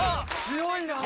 強いな。